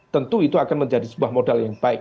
tentu itu akan menjadi sebuah modal yang baik